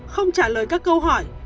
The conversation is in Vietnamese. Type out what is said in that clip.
không trả lời các câu hỏi